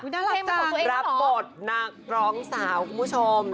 จากรับบทนักร้องสาวคุณผู้ชม